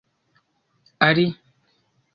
ari